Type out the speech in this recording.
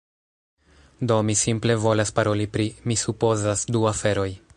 Do, mi simple volas paroli pri... mi supozas du aferoj